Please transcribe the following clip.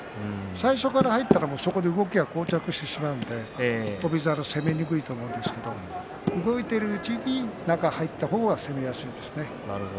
最初から入ったらそこで動きがこう着してしまうので翔猿は攻めにくいと思うんですけれど動いているうちに中に入った方が攻めやすいですね。